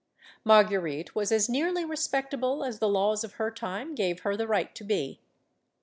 Marguerite was as nearly respectable as the laws of her time gave her the right to be.